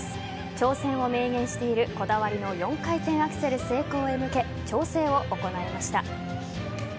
挑戦を明言しているこだわりの４回転アクセル成功へ向け調整を行いました。